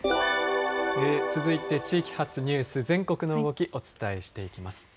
続いて地域発のニュース、全国の動き、お伝えしていきます。